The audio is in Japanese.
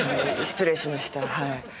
失礼しましたはい。